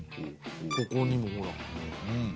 ここにもほら。